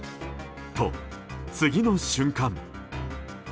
と、次の瞬間。